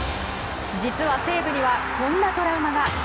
実は、西武にはこんなトラウマが。